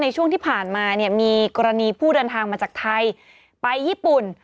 ช่วงที่ผ่านมาเนี่ยมีกรณีผู้เดินทางมาจากไทยไปญี่ปุ่น